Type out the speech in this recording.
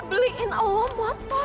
beliin allah motor